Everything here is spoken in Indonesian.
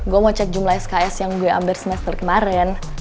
gue mau cek jumlah sks yang gue ambil semester kemarin